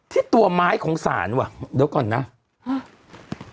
ที่ตัวไม้ของศาลว่ะเดี๋ยวก่อนนะฮะ